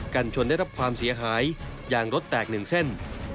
กันชนได้รับความเสียหายยางรถแตก๑เส้น